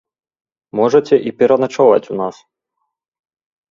Можаце і пераначаваць у нас.